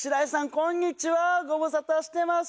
こんにちはご無沙汰してます